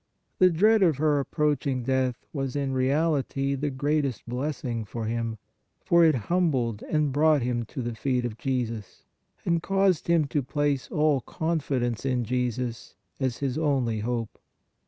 The dread of her approaching death was in reality the greatest bless ing for him, for it humbled and brought him to the feet of Jesus, and caused him to place all confidence in Jesus, as his only hope.